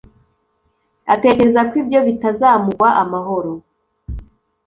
atekereza ko ibyo bitazamugwa amahoro